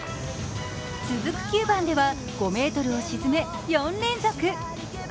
続く９番では、５ｍを沈め４連続。